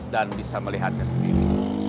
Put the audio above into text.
dan bisa melihatnya sendiri